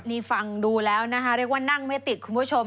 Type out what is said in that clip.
นี่ฟังดูแล้วนะคะเรียกว่านั่งไม่ติดคุณผู้ชม